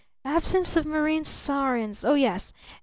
Absence of marine saurians? Oh, yes!